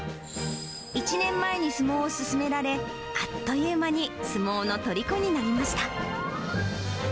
１年前に相撲を勧められ、あっという間に相撲のとりこになりました。